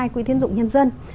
quỹ tiến dụng nhân dân